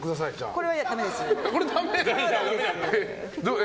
これはダメです。